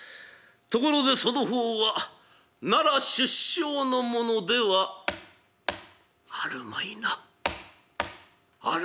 ところでその方は奈良出生の者ではあるまいな。